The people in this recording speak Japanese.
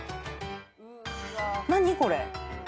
何これ？